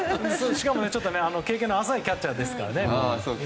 しかも今は経験の浅いキャッチャーですからね。